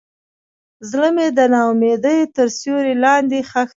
زړه مې د ناامیدۍ تر سیوري لاندې ښخ دی.